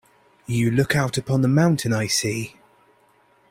You look out upon the mountain, I see.